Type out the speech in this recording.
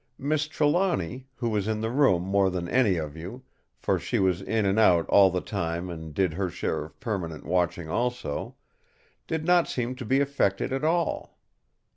Miss Trelawny, who was in the room more than any of you—for she was in and out all the time and did her share of permanent watching also—did not seem to be affected at all.